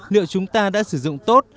liệu chúng ta đã sử dụng tốt